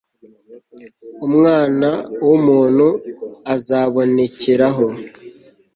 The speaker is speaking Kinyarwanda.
Umwana wu ntu azabonekeraho